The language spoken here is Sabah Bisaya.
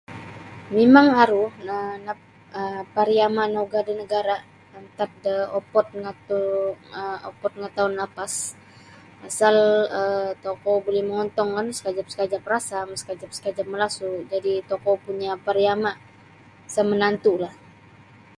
Mimang aru na nap um pariama' naugah da nagara' antad do opod ngato opod ngatoun lapas pasal tokou buli mongontong kan sakajap-sakajap rasam sakajap-sakajap malasu' jadi' tokou punya' pariama' sa' manantu'lah.